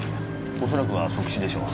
おそらくは即死でしょう。